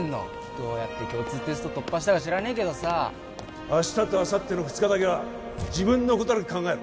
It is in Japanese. どうやって共通テスト突破したか知らねえけどさ明日とあさっての２日だけは自分のことだけ考えろ